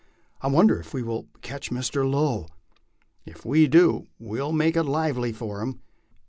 "I wonder if we will catch Mr. Lo?" "If we do, we'll make it lively for him."